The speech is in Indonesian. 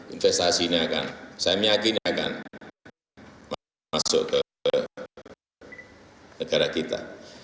investasinya akan saya meyakini akan masuk ke negara kita